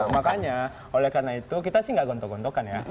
makanya oleh karena itu kita sih nggak gontok gontokan ya